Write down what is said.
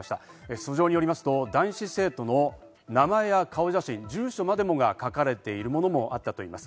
素性を見ますと、男子生徒の名前や顔写真、住所までが書かれているものもあったといいます。